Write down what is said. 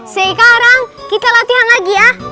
sekarang kita latihan lagi ya